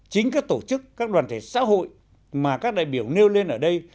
chính các tổ chức các đoàn thể xã hội mà các đại biểu nêu lên ở đây